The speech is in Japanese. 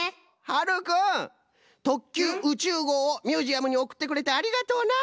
はるくん「特急宇宙号」をミュージアムにおくってくれてありがとうな。